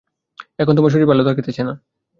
এখানে তোমার শরীর ভালো থাকিতেছে না।